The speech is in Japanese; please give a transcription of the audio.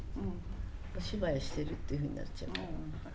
お芝居してるっていうふうになっちゃうから。